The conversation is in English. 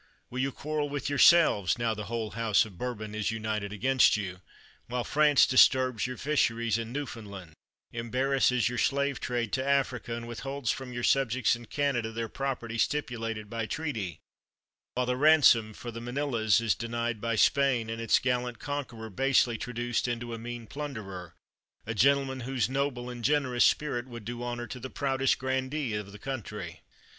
Will you quarrel with yourselves, now the whole house of Bourbon is united against you; while France disturbs your fisheries in Newfoundland, embar rasses your slave trade to Africa, and withholds from your subjects in Canada their property stipulated by treaty; while the ransom for the Manilas is denied by Spain, and its gallant conqueror basely traduced into a mean plun derer — a gentleman whose noble and generous spirit would do honor to the proudest grandee of the country?